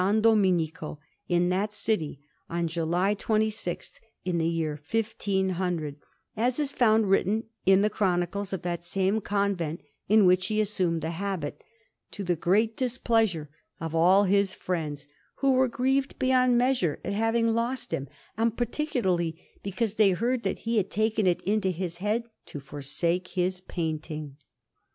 Domenico, in that city, on July 26, in the year 1500, as is found written in the chronicles of that same convent in which he assumed the habit; to the great displeasure of all his friends, who were grieved beyond measure at having lost him, and particularly because they heard that he had taken it into his head to forsake his painting.